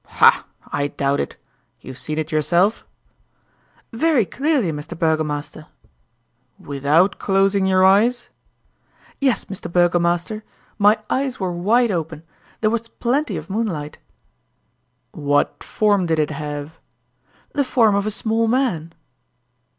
"Ha! I doubt it. You've seen it yourself?" "Very clearly, Mr. Burgomaster." "Without closing your eyes?" "Yes, Mr. Burgomaster my eyes were wide open. There was plenty of moonlight." "What form did it have?" "The form of a small man."